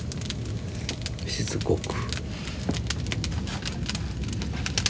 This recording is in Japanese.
しつこく。